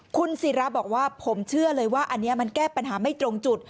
คุณศิราบอกว่าผมเชื่อเลยว่าอันนี้มันแก้ปัญหาไม่ตรงจุด